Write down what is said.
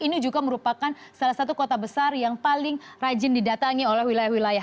ini juga merupakan salah satu kota besar yang paling rajin didatangi oleh wilayah wilayah